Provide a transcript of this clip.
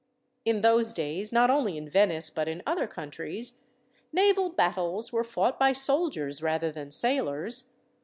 In those days, not only in Venice but in other countries, naval battles were fought by soldiers rather than sailors.